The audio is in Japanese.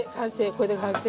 これで完成。